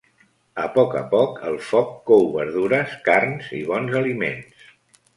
A poc a poc, el foc cou verdures, carns i bons aliments.